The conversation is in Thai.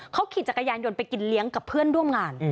เขาขี่จักรยานยนต์ไปกินเลี้ยงกับเพื่อนร่วมงาน